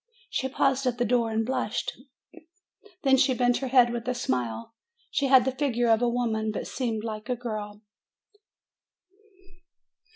She paused at the door and blushed; then she bent her head with a smile. She had the figure of a woman, but seemed like a girl.